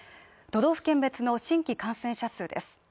都道府県別の新規感染者数です。